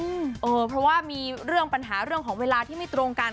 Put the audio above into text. เพราะว่ามีเรื่องปัญหาเรื่องของเวลาที่ไม่ตรงกัน